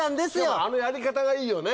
しかもあのやり方がいいよね。